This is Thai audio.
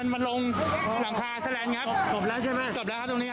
ตรงนี้ครับ